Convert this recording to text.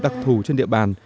đặc thù trên địa bàn